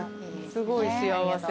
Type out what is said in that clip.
すごい幸せ。